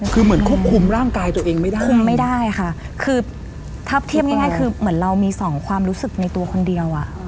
คือเหมือนควบคุมร่างกายตัวเองไม่ได้คุมไม่ได้ค่ะคือถ้าเทียบง่ายคือเหมือนเรามีสองความรู้สึกในตัวคนเดียวอ่ะ